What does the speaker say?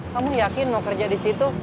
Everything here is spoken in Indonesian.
kamu yakin mau kerja di situ